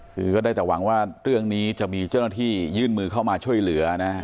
คือก็ได้แต่หวังว่าเรื่องนี้จะมีเจ้าหน้าที่ยื่นมือเข้ามาช่วยเหลือนะฮะ